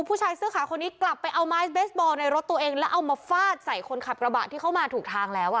ผู้ชายเสื้อขาวคนนี้กลับไปเอาไม้เบสบอลในรถตัวเองแล้วเอามาฟาดใส่คนขับกระบะที่เข้ามาถูกทางแล้วอ่ะ